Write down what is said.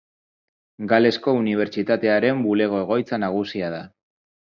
Galesko Unibertsitatearen bulego-egoitza nagusia da.